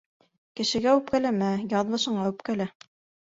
Кешегә үпкәләмә, яҙмышыңа үпкәлә.